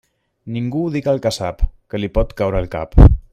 Ningú diga el que sap, que li pot caure el cap.